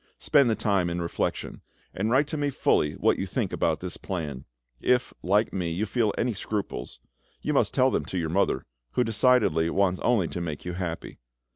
Spend the time in reflection, and write to me fully what you think about this plan. If, like me, you feel any scruples, you must tell them to your mother, who decidedly wants only to make you happy.